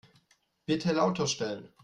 Bitte lauter stellen.